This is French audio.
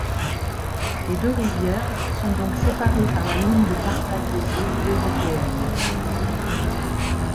Les deux rivières sont donc séparées par la Ligne de partage des eaux européenne.